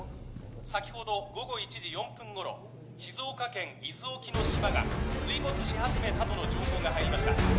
先ほど午後１時４分頃静岡県伊豆沖の島が水没し始めたとの情報が入りました